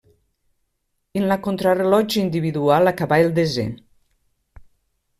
En la contrarellotge individual acabà el desè.